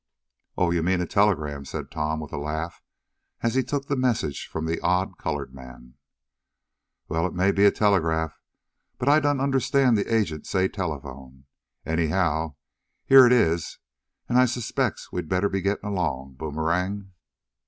"Oh, you mean a telegram," said Tom, with a laugh, as he took the message from the odd colored man. "Well, maybe it's telegraf, but I done understood de agent t' say telephone. Anyhow, dere it is. An' I s'pects we'd better git along, Boomerang."